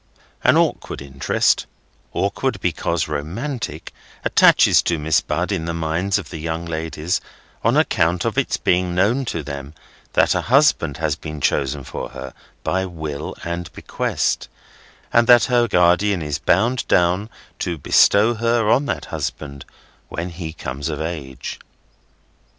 An awkward interest (awkward because romantic) attaches to Miss Bud in the minds of the young ladies, on account of its being known to them that a husband has been chosen for her by will and bequest, and that her guardian is bound down to bestow her on that husband when he comes of age.